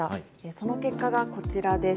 その結果がこちらです。